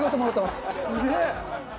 すげえ！